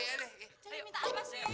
cepi minta apa sih